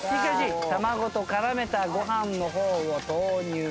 卵と絡めたご飯の方を投入という。